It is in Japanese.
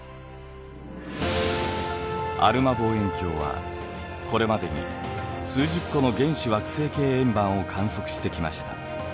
アルマ望遠鏡はこれまでに数十個の原始惑星系円盤を観測してきました。